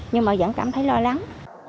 nhưng mà vẫn cảm thấy lo lắng